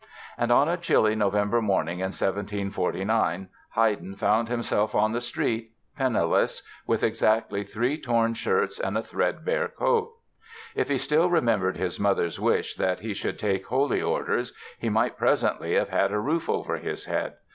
And on a chilly November morning in 1749, Haydn found himself on the street, penniless, with exactly three torn shirts and a threadbare coat! If he still remembered his mother's wish that he should take holy orders he might presently have had a roof over his head.